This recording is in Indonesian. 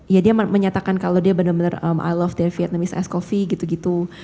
ya dia menyatakan kalau dia benar benar i love the vietnamese ice coffee gitu gitu